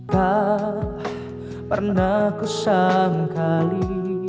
tak pernah kusangkali